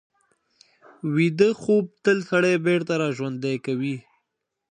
ویده خوب تل سړی بېرته راژوندي کوي